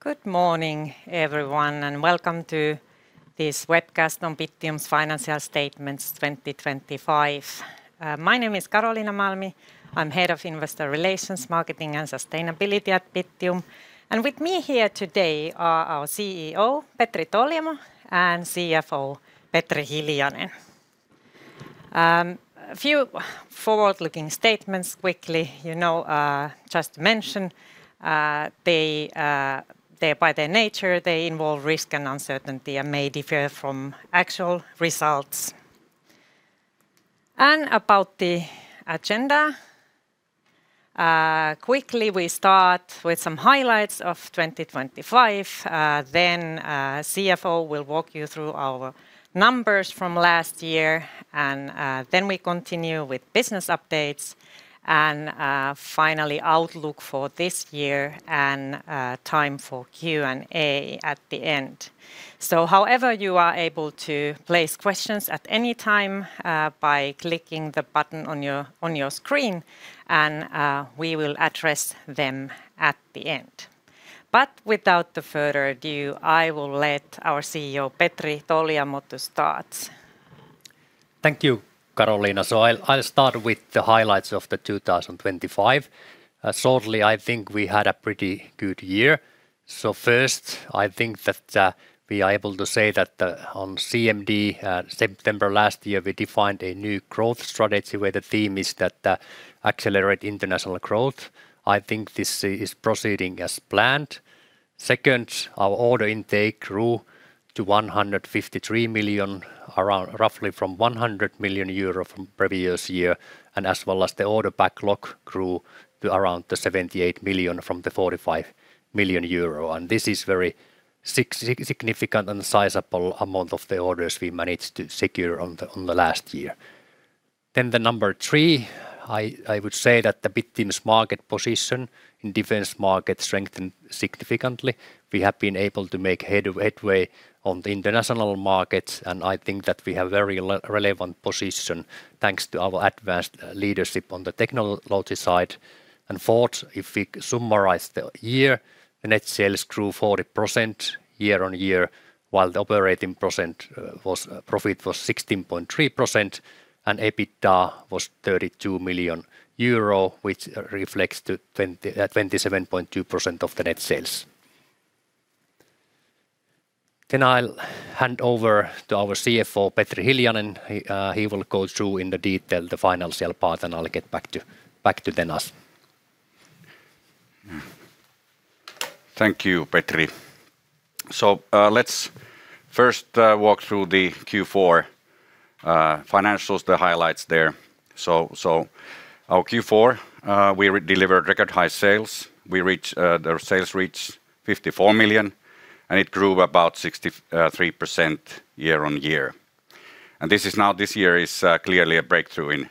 Good morning, everyone, and welcome to this webcast on Bittium's financial statements 2025. My name is Karoliina Malmi. I'm Head of Investor Relations, Marketing and Sustainability at Bittium, and with me here today are our CEO, Petri Toljamo, and CFO, Petri Hiljanen. A few forward-looking statements quickly, you know, just to mention, they by their nature involve risk and uncertainty and may differ from actual results. About the agenda, quickly we start with some highlights of 2025, then, CFO will walk you through our numbers from last year, and, then we continue with business updates, and, finally, outlook for this year and, time for Q&A at the end. However, you are able to place questions at any time by clicking the button on your screen, and we will address them at the end. But without the further ado, I will let our CEO, Petri Toljamo, to start. Thank you, Karoliina. So I'll start with the highlights of 2025. Shortly, I think we had a pretty good year. First, I think that we are able to say that on CMD in September last year, we defined a new growth strategy, where the theme is that accelerate international growth. I think this is proceeding as planned. Second, our order intake grew to 153 million, roughly from 100 million euro from previous year, and as well as the order backlog grew to around the 78 million from the 45 million euro, and this is very significant and sizable amount of the orders we managed to secure on the last year. Then number three, I would say that Bittium's market position in Defense market strengthened significantly. We have been able to make headway on the international markets, and I think that we have very relevant position, thanks to our advanced leadership on the technology side. And 4th, if we summarize the year, the net sales grew 40% year-over-year, while the operating profit was 16.3%, and EBITDA was 32 million euro, which reflects to 27.2% of the net sales. Then I'll hand over to our CFO, Petri Hiljanen. He will go through in detail the financial part, and I'll get back to us then. Thank you, Petri. So, let's first walk through the Q4 financials, the highlights there. So, our Q4, we delivered record high sales. We reached, the sales reached 54 million, and it grew about 63% year-on-year. And this is now, this year is clearly a breakthrough in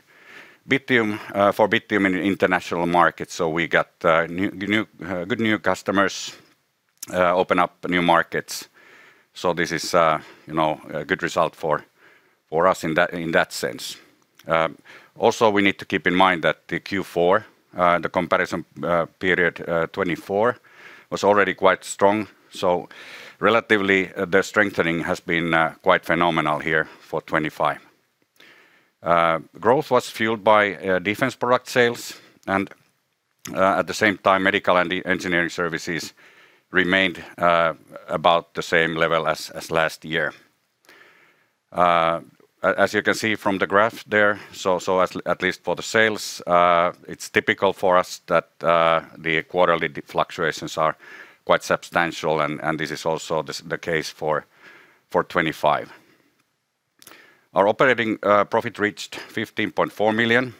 Bittium for Bittium in international markets. So we got new new good new customers open up new markets, so this is, you know, a good result for us in that sense. Also, we need to keep in mind that the Q4, the comparison period 2024 was already quite strong, so relatively, the strengthening has been quite phenomenal here for 2025. Growth was fueled by defense product sales, and at the same time, medical and engineering services remained about the same level as last year. As you can see from the graph there, so at least for the sales, it's typical for us that the quarterly fluctuations are quite substantial, and this is also the case for 2025. Our operating profit reached 15.4 million.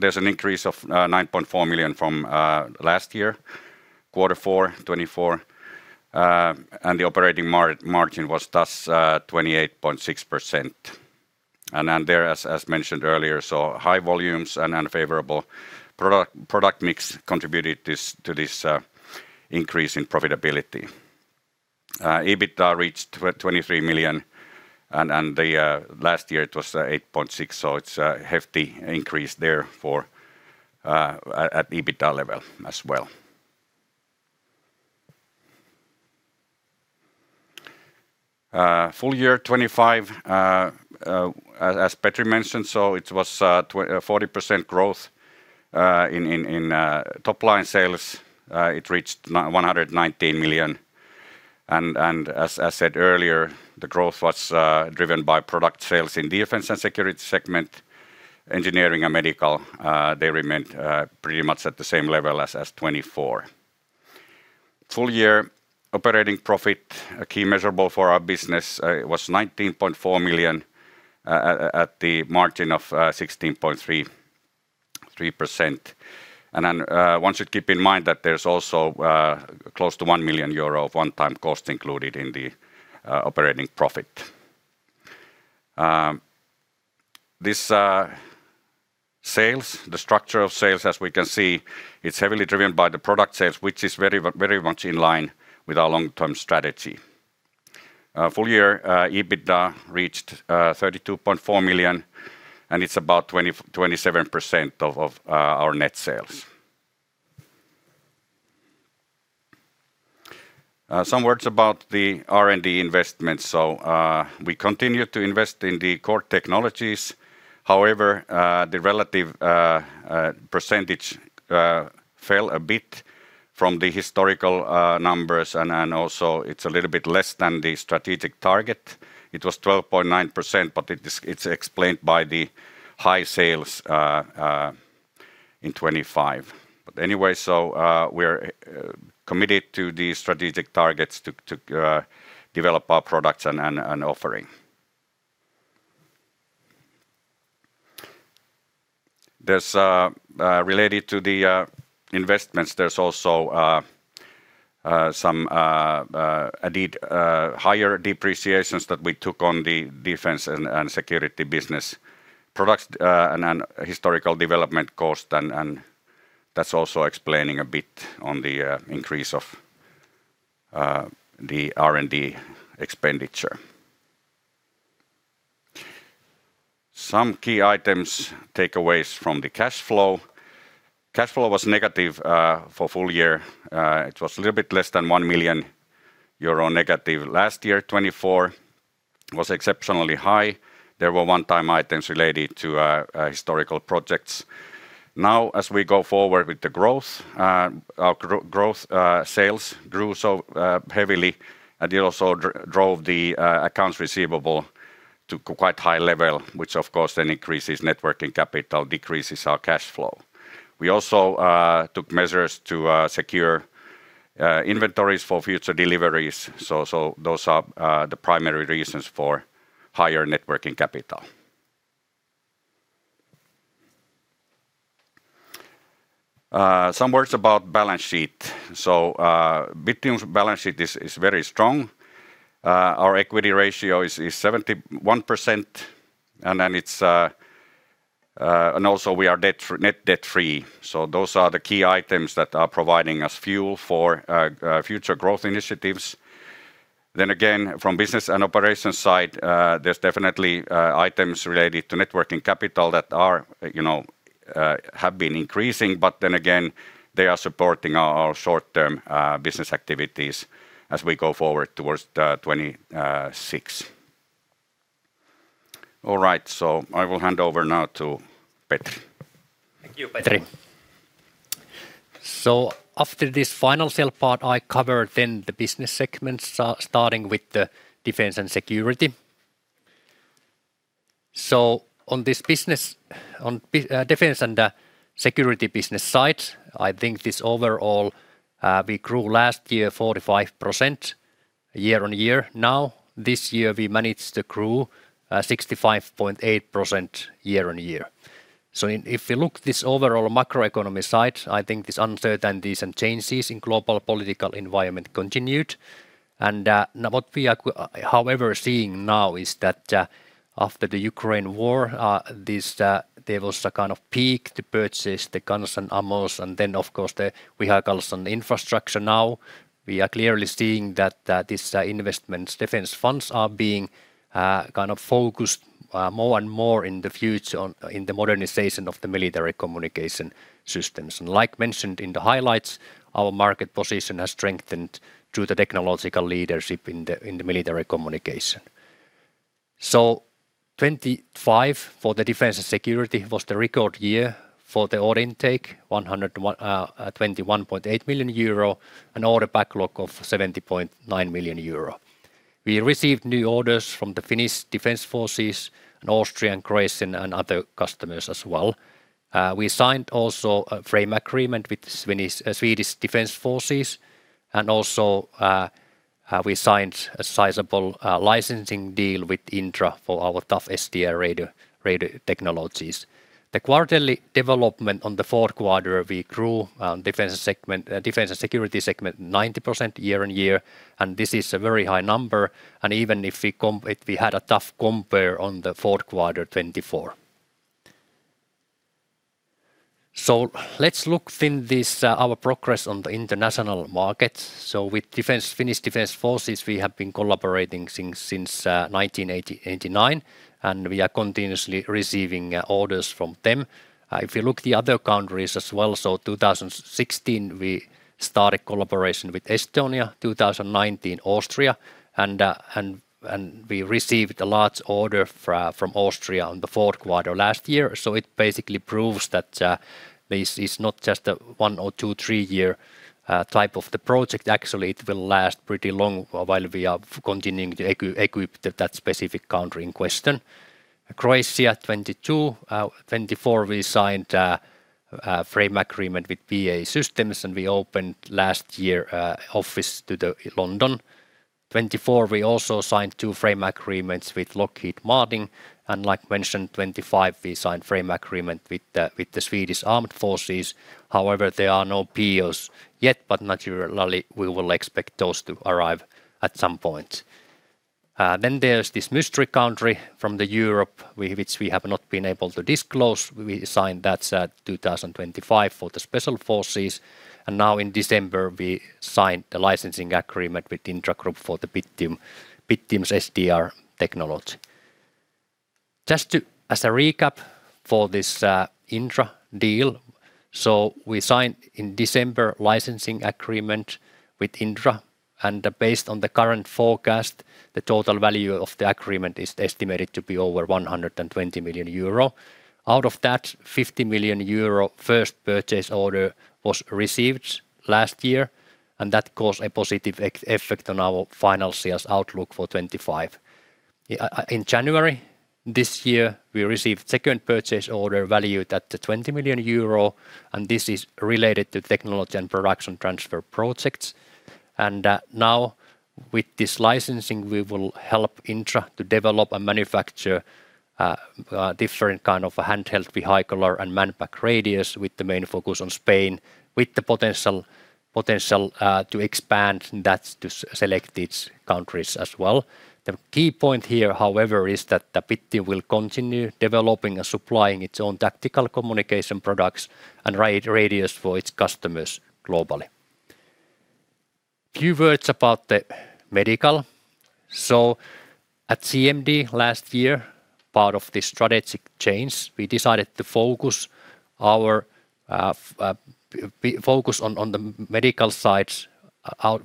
There's an increase of 9.4 million from last year, quarter four 2024, and the operating margin was thus 28.6%. Then there, as mentioned earlier, so high volumes and unfavorable product mix contributed to this increase in profitability. EBITDA reached 23 million, and last year it was 8.6 million, so it's a hefty increase there for EBITDA level as well. Full year 2025, as Petri mentioned, so it was 40% growth in top-line sales. It reached 119 million, and as I said earlier, the growth was driven by product sales in Defense and Security segment. Engineering and medical, they remained pretty much at the same level as 2024. Full-year operating profit, a key measurable for our business, was 19.4 million, at the margin of 16.3%. One should keep in mind that there's also close to 1 million euro of one-time cost included in the operating profit. This sales structure, as we can see, it's heavily driven by the product sales, which is very much in line with our long-term strategy. Full year EBITDA reached 32.4 million, and it's about 27% of our net sales. Some words about the R&D investments. So, we continue to invest in the core technologies. However, the relative percentage fell a bit from the historical numbers, and also it's a little bit less than the strategic target. It was 12.9%, but it's explained by the high sales in 2025. But anyway, so, we're committed to the strategic targets to develop our products and offering. There's related to the investments, there's also some indeed higher depreciations that we took on the Defense and Security business products, and historical development cost, and that's also explaining a bit on the increase of the R&D expenditure. Some key items, takeaways from the cash flow. Cash flow was negative for full year. It was a little bit less than 1 million euro negative. Last year, 2024, was exceptionally high. There were one-time items related to historical projects. Now, as we go forward with the growth, our growth, sales grew so heavily, and it also drove the accounts receivable to quite high level, which of course then increases net working capital, decreases our cash flow. We also took measures to secure inventories for future deliveries. So those are the primary reasons for higher net working capital. Some words about balance sheet. So Bittium's balance sheet is very strong. Our equity ratio is 71%, and then it's... And also we are net debt-free. So those are the key items that are providing us fuel for future growth initiatives. Then again, from business and operations side, there's definitely items related to net working capital that are, you know, have been increasing, but then again, they are supporting our short-term business activities as we go forward towards 2026. All right, so I will hand over now to Petri. Thank you, Petri. So after this final sale part, I cover then the business segments, starting with the Defense and Security. So on this business, on Defense and Security business side, I think this overall, we grew last year 45% year-on-year. Now, this year, we managed to grow 65.8% year-on-year. So if we look this overall Macroeconomy side, I think this uncertainties and changes in global political environment continued. And now what we are however seeing now is that, after the Ukraine war, this there was a kind of peak to purchase the guns and ammos, and then, of course, the vehicles and infrastructure. Now, we are clearly seeing that this investments defense funds are being kind of focused more and more in the future on in the modernization of the military communication systems. Like mentioned in the highlights, our market position has strengthened through the technological leadership in the military communication. 2025, for the Defense and Security, was the record year for the order intake, 121.8 million euro, an order backlog of 70.9 million euro. We received new orders from the Finnish Defence Forces and Austrian, Croatian, and other customers as well. We signed also a frame agreement with Swedish Armed Forces, and also, we signed a sizable licensing deal with Indra for our Tough SDR Radio Technologies. The quarterly development on the fourth quarter, we grew, defense segment, Defense and Security segment 90% year-on-year, and this is a very high number, and even if we if we had a tough compare on the fourth quarter 2024. So let's look in this, our progress on the international market. So with Defense, Finnish Defence Forces, we have been collaborating since 1980-1989, and we are continuously receiving orders from them. If you look the other countries as well, so 2016, we started collaboration with Estonia, 2019, Austria, and we received a large order from Austria on the fourth quarter last year. So it basically proves that, this is not just a one or two, three-year type of the project. Actually, it will last pretty long while we are continuing to equip the, that specific country in question. Croatia, 2022. 2024, we signed a framework agreement with BAE Systems, and we opened last year an office in London. 2024, we also signed two framework agreements with Lockheed Martin, and like mentioned, 2025, we signed framework agreement with the, with the Swedish Armed Forces. However, there are no POs yet, but naturally, we will expect those to arrive at some point. Then there's this mystery country from Europe, which we have not been able to disclose. We signed that 2025 for the Special Forces, and now in December, we signed a licensing agreement with Indra Group for the Bittium, Bittium's SDR technology. Just to as a recap for this Indra deal, so we signed in December licensing agreement with Indra, and based on the current forecast, the total value of the agreement is estimated to be over 120 million euro. Out of that, 50 million euro first purchase order was received last year, and that caused a positive effect on our final sales outlook for 2025. In January this year, we received second purchase order valued at 20 million euro, and this is related to technology and production transfer projects. Now, with this licensing, we will help Indra to develop and manufacture different kind of handheld vehicle and manpack radios, with the main focus on Spain, with the potential to expand that to selected countries as well. The key point here, however, is that the Bittium will continue developing and supplying its own tactical communication products and radios for its customers globally. Few words about the medical. So at CMD last year, part of the strategic change, we decided to focus our focus on the medical side.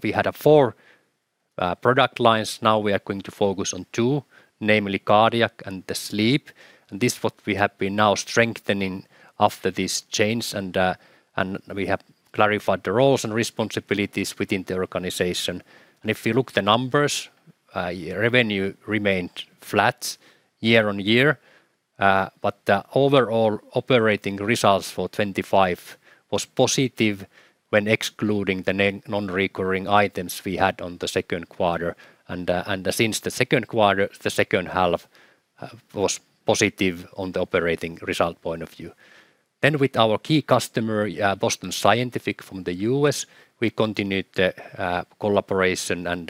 We had four product lines. Now we are going to focus on two, namely cardiac and the sleep, and this what we have been now strengthening after this change, and we have clarified the roles and responsibilities within the organization. And if you look the numbers, revenue remained flat year-over-year, but the overall operating results for 2025 was positive when excluding the non-recurring items we had on the second quarter. Since the second quarter, the second half was positive on the operating result point of view. Then with our key customer, Boston Scientific from the U.S., we continued the collaboration and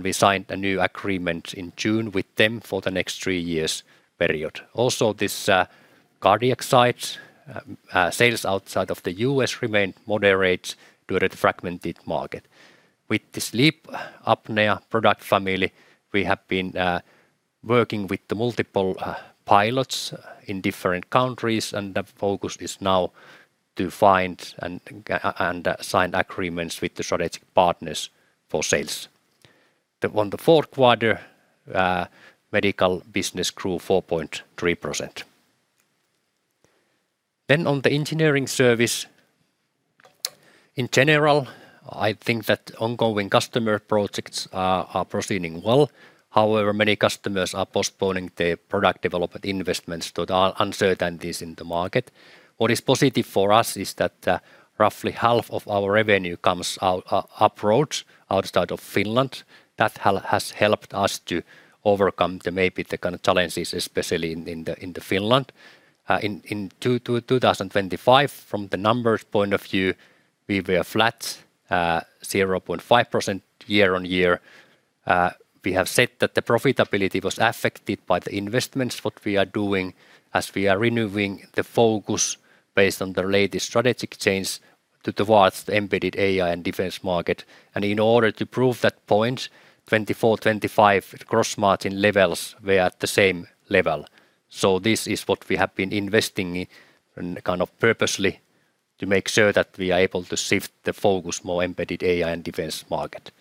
we signed a new agreement in June with them for the next three years period. Also, this cardiac side, sales outside of the U.S. remained moderate due to the fragmented market. With the sleep apnea product family, we have been working with multiple pilots in different countries, and the focus is now to find and sign agreements with the strategic partners for sales. On the fourth quarter, medical business grew 4.3%. Then on the engineering service, in general, I think that ongoing customer projects are proceeding well. However, many customers are postponing their product development investments due to uncertainties in the market. What is positive for us is that roughly half of our revenue comes out abroad, outside of Finland. That has helped us to overcome maybe the kind of challenges, especially in Finland. In 2025, from the numbers point of view, we were flat 0.5% year-on-year. We have said that the profitability was affected by the investments what we are doing, as we are renewing the focus based on the latest strategic change towards Embedded AI and defense market. And in order to prove that point, 2024-2025 gross margin levels were at the same level. So this is what we have been investing in, kind of purposely, to make sure that we are able to shift the focus more embedded AI and defense market.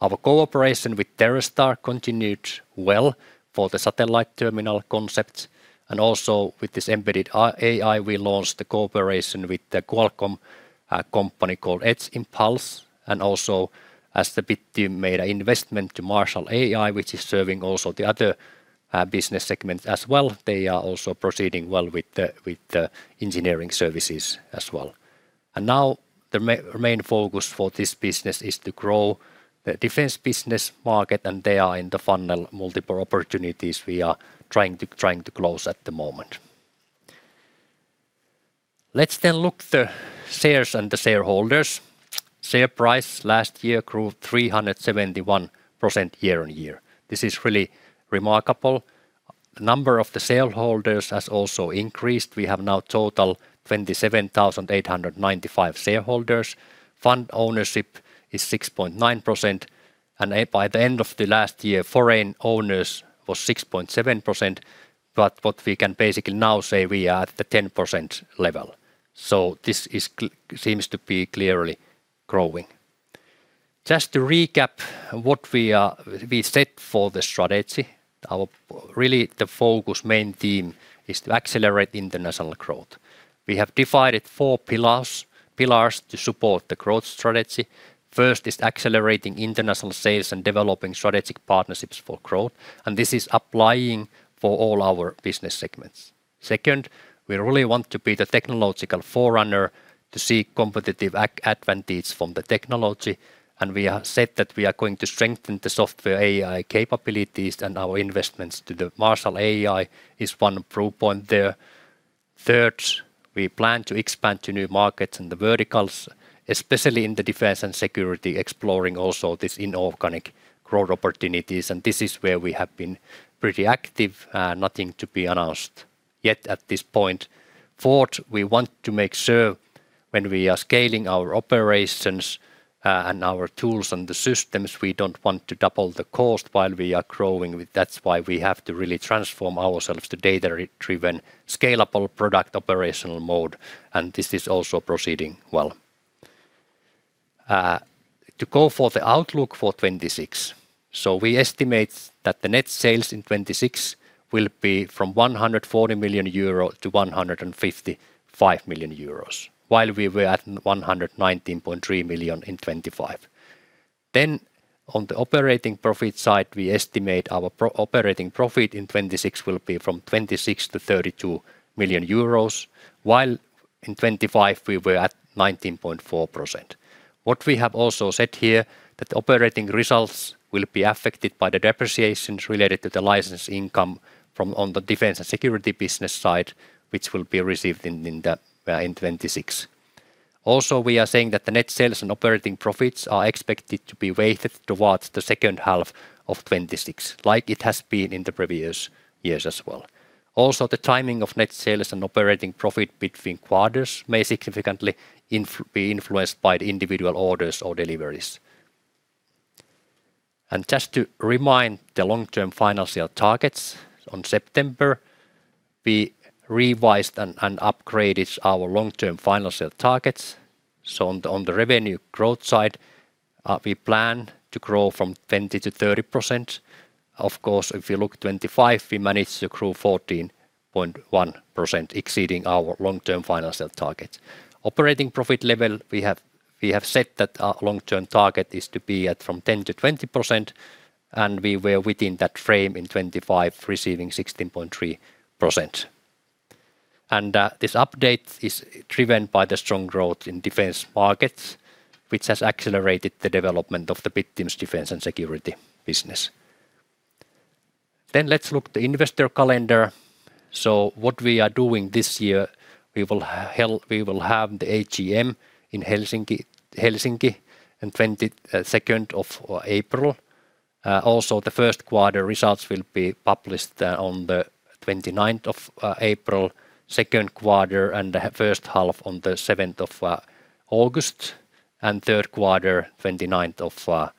Our cooperation with TerreStar continued well for the satellite terminal concept, and also with this embedded AI, we launched the cooperation with the Qualcomm, a company called Edge Impulse, and also as the Bittium made an investment to Marshall AI, which is serving also the other business segments as well. They are also proceeding well with the engineering services as well. And now the main focus for this business is to grow the defense business market, and they are in the funnel, multiple opportunities we are trying to close at the moment. Let's then look the shares and the shareholders. Share price last year grew 371% year-on-year. This is really remarkable. Number of the shareholders has also increased. We have now total 27,895 shareholders. Fund ownership is 6.9%, and by the end of the last year, foreign owners was 6.7%, but what we can basically now say, we are at the 10% level. So this seems to be clearly growing. Just to recap what we said for the strategy, our really the focus main theme is to accelerate international growth. We have divided four pillars, pillars to support the growth strategy. First is accelerating international sales and developing strategic partnerships for growth, and this is applying for all our business segments. Second, we really want to be the technological forerunner to seek competitive advantage from the technology, and we have said that we are going to strengthen the software AI capabilities and our investments to the Marshall AI is one proof point there. Third, we plan to expand to new markets and the verticals, especially in the Defense and Security, exploring also this inorganic growth opportunities, and this is where we have been pretty active, nothing to be announced yet at this point. Fourth, we want to make sure, when we are scaling our operations, and our tools and the systems, we don't want to double the cost while we are growing. With that, that's why we have to really transform ourselves to data-driven, scalable product operational mode, and this is also proceeding well. To go for the outlook for 2026, so we estimate that the net sales in 2026 will be from 140 million-155 million euro, while we were at 119.3 million in 2025. Then on the operating profit side, we estimate our operating profit in 2026 will be from 26 million-32 million euros, while in 2025, we were at 19.4%. What we have also said here, that operating results will be affected by the depreciations related to the license income from on the Defense and Security business side, which will be received in 2026. Also, we are saying that the net sales and operating profits are expected to be weighted towards the second half of 2026, like it has been in the previous years as well. Also, the timing of net sales and operating profit between quarters may significantly be influenced by the individual orders or deliveries. Just to remind, in September, we revised and upgraded our long-term financial targets. So on the revenue growth side, we plan to grow from 20%-30%. Of course, if you look at 2025, we managed to grow 14.1%, exceeding our long-term financial target. Operating profit level, we have said that our long-term target is to be at 10%-20%, and we were within that frame in 2025, receiving 16.3%. And this update is driven by the strong growth in defense markets, which has accelerated the development of the Bittium Defense and Security business. Then let's look the investor calendar. So what we are doing this year, we will have the AGM in Helsinki on the 22nd of April. Also, the first quarter results will be published on the 29th of April, second quarter and the first half on the 7th of August, and third quarter on the 29th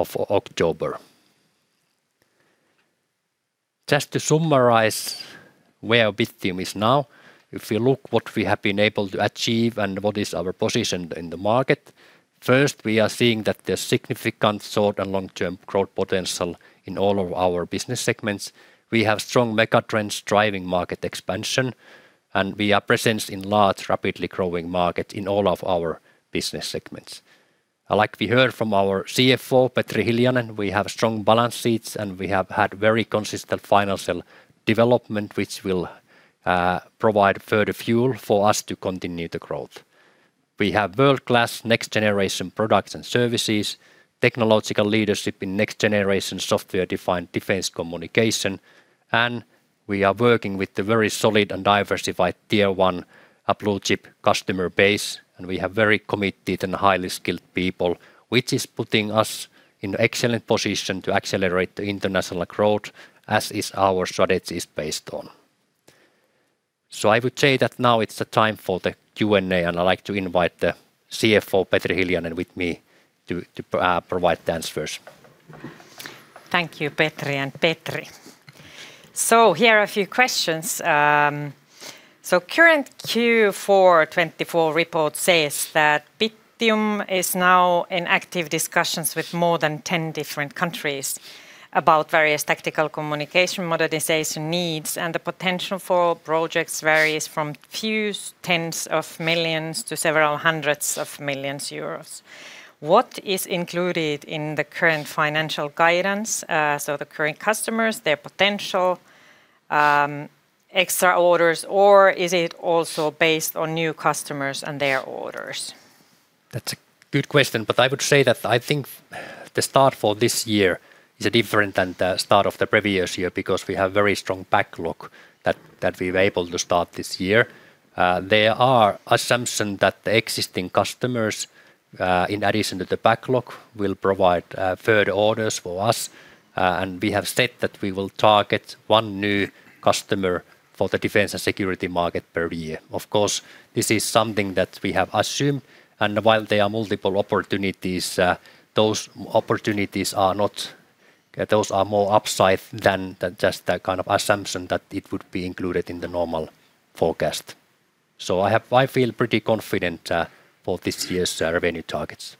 of October. Just to summarize where Bittium is now, if you look what we have been able to achieve and what is our position in the market, first, we are seeing that there's significant short- and long-term growth potential in all of our business segments. We have strong mega trends driving market expansion, and we are present in large, rapidly growing markets in all of our business segments. Like we heard from our CFO, Petri Hiljanen, we have strong balance sheets, and we have had very consistent financial development, which will provide further fuel for us to continue the growth. We have world-class next-generation products and services, technological leadership in next-generation software-defined defense communication, and we are working with the very solid and diversified tier one, a blue-chip customer base, and we have very committed and highly skilled people, which is putting us in excellent position to accelerate the international growth, as is our strategy is based on. So I would say that now it's the time for the Q&A, and I'd like to invite the CFO, Petri Hiljanen, with me to provide answers. Thank you, Petri and Petri. So here are a few questions. So current Q4 2024 report says that Bittium is now in active discussions with more than 10 different countries about various tactical communication modernization needs, and the potential for projects varies from a few tens of millions EUR to several hundreds of millions EUR. What is included in the current financial guidance? So the current customers, their potential, extra orders, or is it also based on new customers and their orders? That's a good question, but I would say that I think the start for this year is different than the start of the previous year because we have very strong backlog that we were able to start this year. There are assumption that the existing customers, in addition to the backlog, will provide further orders for us, and we have said that we will target one new customer for the Defense and Security market per year. Of course, this is something that we have assumed, and while there are multiple opportunities, those opportunities are not. Those are more upside than the just the kind of assumption that it would be included in the normal forecast. So I feel pretty confident for this year's revenue targets.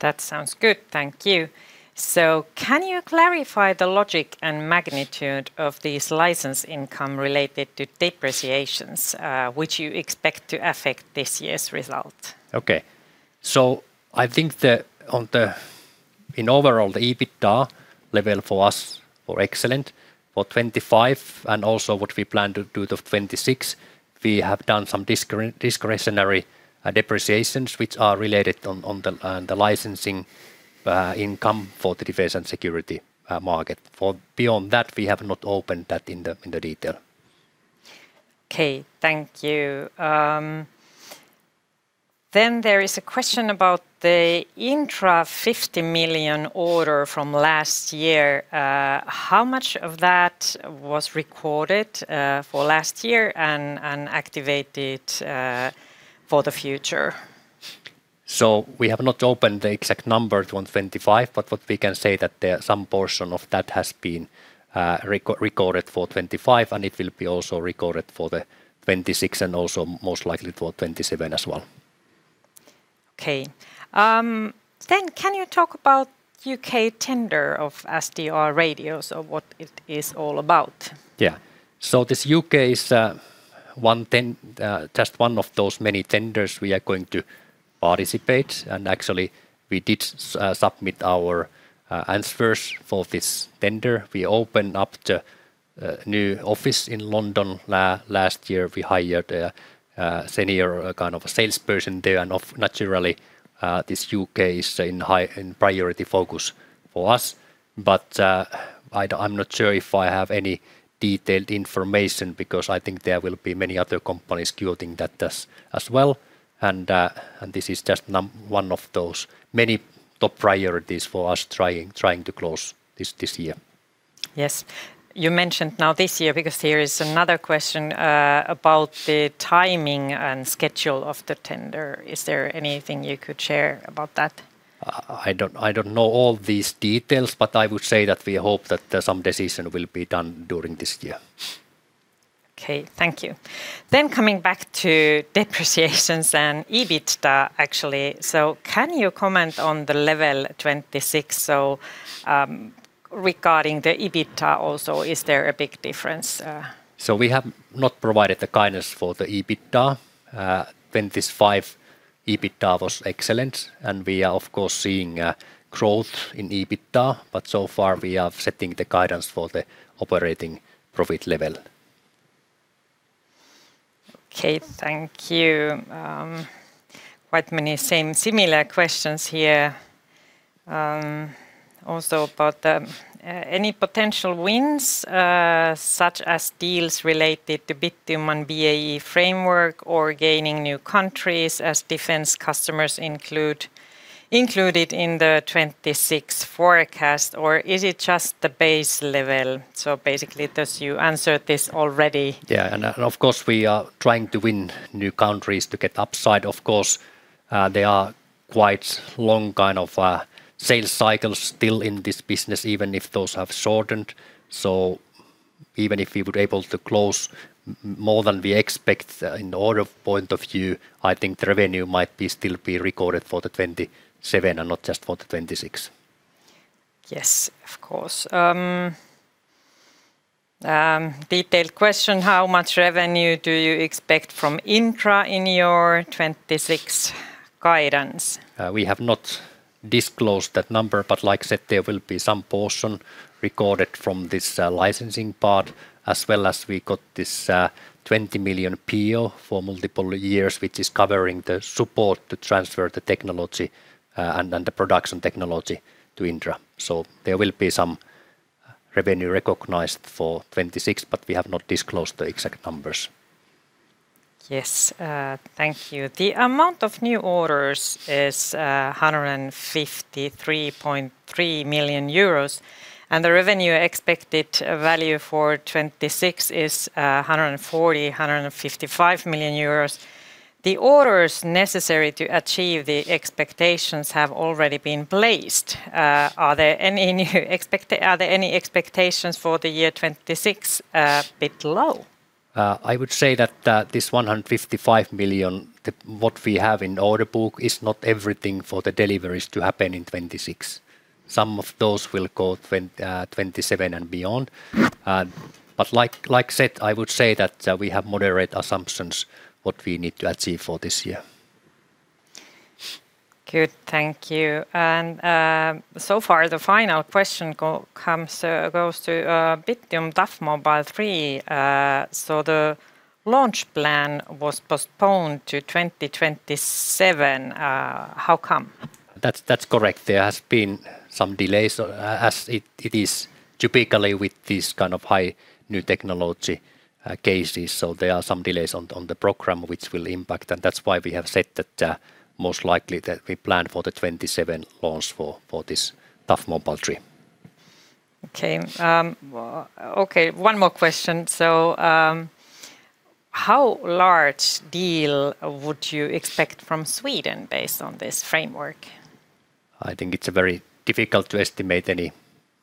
That sounds good. Thank you. So can you clarify the logic and magnitude of this license income related to depreciations, which you expect to affect this year's result? Okay. So I think in overall, the EBITDA level for us were excellent for 2025 and also what we plan to do to 2026. We have done some discretionary depreciations, which are related on the licensing income for the Defense and Security market. For beyond that, we have not opened that in the detail. Okay. Thank you. There is a question about the Indra 50 million order from last year. How much of that was recorded for last year and activated for the future? So we have not opened the exact number to 2025, but what we can say that there some portion of that has been recorded for 2025, and it will be also recorded for the 2026 and also most likely for 2027 as well. Okay. Then can you talk about U.K. tender of SDR radios or what it is all about? Yeah. So this U.K. is just one of those many tenders we are going to participate, and actually we did submit our answers for this tender. We opened up the new office in London last year. We hired a senior kind of a salesperson there, and naturally this U.K. is in high priority focus for us. But I'm not sure if I have any detailed information, because I think there will be many other companies quoting that as well. And this is just one of those many top priorities for us trying to close this year. Yes. You mentioned now this year, because there is another question about the timing and schedule of the tender. Is there anything you could share about that? I don't know all these details, but I would say that we hope that some decision will be done during this year. Okay, thank you. Then coming back to depreciations and EBITDA, actually, so can you comment on the level 26? So, regarding the EBITDA also, is there a big difference? So we have not provided the guidance for the EBITDA. 25 EBITDA was excellent, and we are, of course, seeing growth in EBITDA, but so far we are setting the guidance for the operating profit level. Okay, thank you. Quite many same similar questions here, also about the any potential wins, such as deals related to Bittium and BAE framework or gaining new countries as defense customers included in the 2026 forecast, or is it just the base level? So basically, this you answered this already. Yeah, and, and of course, we are trying to win new countries to get upside. Of course, they are quite long kind of sales cycles still in this business, even if those have shortened. So even if we were able to close more than we expect in order point of view, I think the revenue might still be recorded for 2027 and not just for 2026. Yes, of course. Detailed question: How much revenue do you expect from Indra in your 2026 guidance? We have not disclosed that number, but like I said, there will be some portion recorded from this licensing part, as well as we got this 20 million PO for multiple years, which is covering the support to transfer the technology, and the production technology to Indra. So there will be some revenue recognized for 2026, but we have not disclosed the exact numbers. Yes, thank you. The amount of new orders is 153.3 million euros, and the revenue expected value for 2026 is 140 million-155 million euros. The orders necessary to achieve the expectations have already been placed. Are there any expectations for the year 2026, bit low? I would say that, this 155 million, what we have in order book, is not everything for the deliveries to happen in 2026. Some of those will go 2027 and beyond. But like, like I said, I would say that, we have moderate assumptions what we need to achieve for this year. Good, thank you. So far, the final question goes to Bittium Tough Mobile 3. So the launch plan was postponed to 2027. How come? That's, that's correct. There has been some delays, as it, it is typically with these kind of high new technology, cases. So there are some delays on, on the program which will impact, and that's why we have said that, most likely that we plan for the 2027 launch for, for this Tough Mobile 3. Okay, okay, one more question. So, how large deal would you expect from Sweden based on this framework? I think it's very difficult to estimate any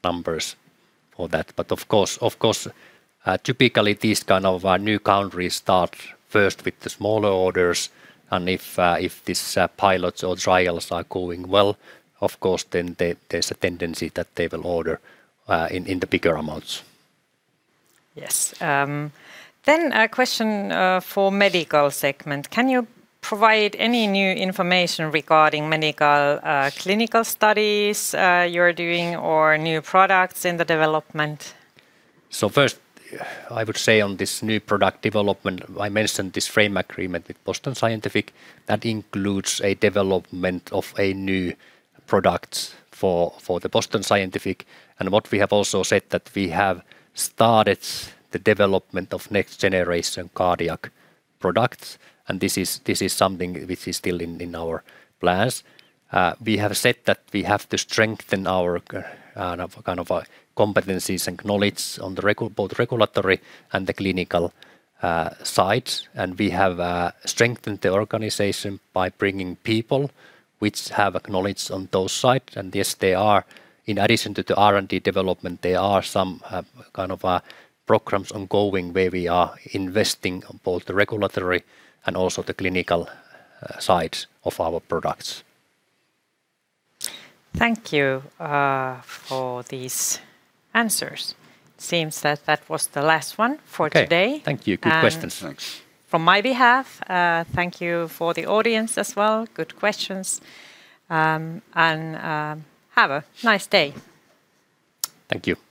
numbers for that. But of course, typically, these kind of new countries start first with the smaller orders, and if these pilots or trials are going well, of course, then there's a tendency that they will order in the bigger amounts. Yes. Then a question for medical segment. Can you provide any new information regarding medical clinical studies you're doing or new products in the development? So first, I would say on this new product development, I mentioned this frame agreement with Boston Scientific, that includes a development of a new product for the Boston Scientific. And what we have also said that we have started the development of next-generation cardiac products, and this is something which is still in our plans. We have said that we have to strengthen our kind of competencies and knowledge on both regulatory and the clinical sides. And we have strengthened the organization by bringing people which have a knowledge on those sides. And yes, they are in addition to the R&D development, there are some kind of programs ongoing, where we are investing on both the regulatory and also the clinical sides of our products. Thank you for these answers. Seems that that was the last one for today. Okay. Thank you. Good questions. Thanks. From my behalf, thank you for the audience as well. Good questions, and have a nice day. Thank you. Thanks.